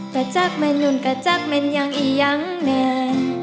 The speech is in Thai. กะจักมันหลุนกะจักมันยังอียังแม่